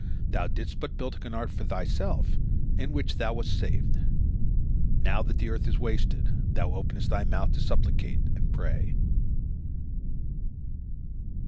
Thou didst but build an ark for thyself, in which thou wast saved. Now that the earth is wasted, thou openest thy mouth to supplicate and pray."